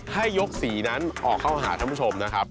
ให้ยกสีนั้นออกเข้าหาท่านผู้ชมนะครับ